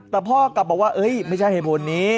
แต่พ่อกลับบอกว่าไม่ใช่เหตุผลนี้